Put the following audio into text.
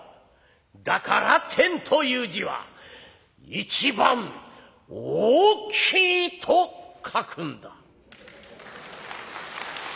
だから『天』という字は『一番大きい』と書くんだ」。